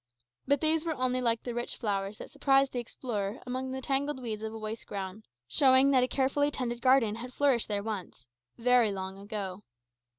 But these were only like the rich flowers that surprise the explorer amidst the tangled weeds of a waste ground, showing that a carefully tended garden has flourished there once very long ago.